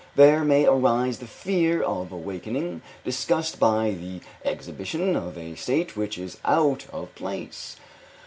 There may arise the fear of awakening disgust by the exhibition of a state which is out of place.